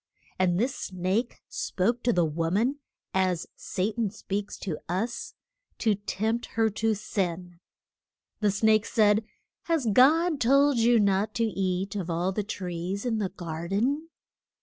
And this snake spoke to the wo man as Sa tan speaks to us to tempt her to sin. The snake said: Has God told you not to eat of all the trees in the gar den?